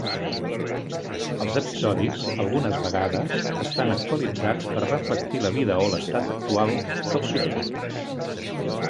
Els episodis, algunes vegades, estan actualitzats per reflectir la vida o l'estat actual dels subjectes.